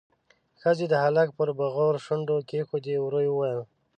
ښځې د هلک پر بغور شونډې کېښودې، ورو يې وويل: